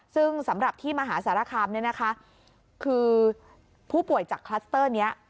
ซึ่งสำหรับที่มหาสารคามเนี่ยนะคะคือผู้ป่วยจากคลัสเตอร์นี้